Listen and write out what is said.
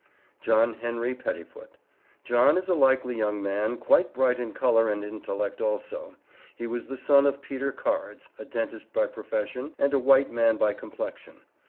JOHN HENRY PETTIFOOT. John is a likely young man, quite bright in color and in intellect also. He was the son of Peter Cards, a dentist by profession, and a white man by complexion.